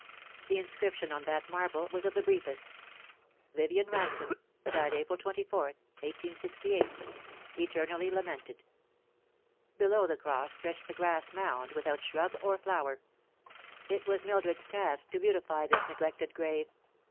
The inscription on that marble was of the briefest : ""VIVIEN RANSOME. Died April 24th, 1868. Eternally lamented." Below the cross stretched the grass mound, without shrub or flower. It was Mildred's task to beautify this neglected grave.